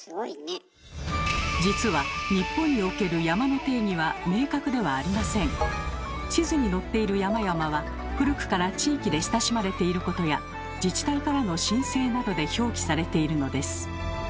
実は日本における地図に載っている山々は古くから地域で親しまれていることや自治体からの申請などで表記されているのです。